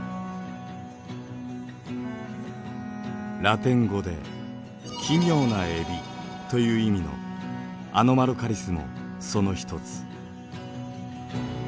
ラテン語で「奇妙なエビ」という意味のアノマロカリスもその一つ。